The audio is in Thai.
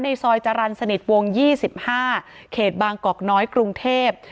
ซอยจรรย์สนิทวง๒๕เขตบางกอกน้อยกรุงเทพ